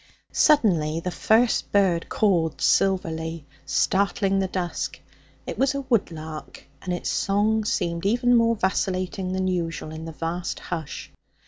Suddenly the first bird called silverly, startling the dusk. It was a woodlark, and its song seemed even more vacillating than usual in the vast hush.